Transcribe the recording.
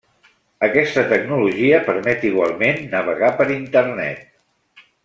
Aquesta tecnologia permet igualment navegar per Internet.